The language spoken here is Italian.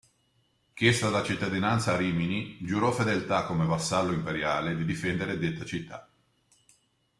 Chiesta la cittadinanza a Rimini, giurò fedeltà come vassallo imperiale di difendere detta città.